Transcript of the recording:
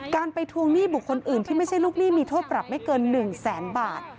การไปทวงหนี้บุคคลอื่นที่ไม่ใช่ลูกหนี้มีโทษปรับไม่เกิน๑แสนบาท